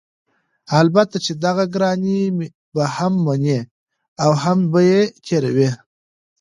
البته چې دغه ګرانی به هم مني او هم به یې تېروي؛